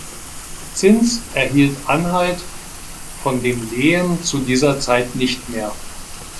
Zins erhielt Anhalt von dem Lehen zu dieser Zeit nicht mehr.